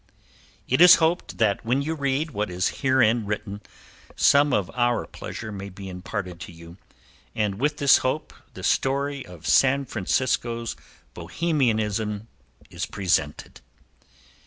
It is hoped that when you read what is herein written some of our pleasure may be imparted to you, and with this hope the story of San Francisco's Bohemianism is presented.